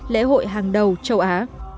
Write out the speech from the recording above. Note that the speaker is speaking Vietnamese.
lễ hội hàng đầu châu á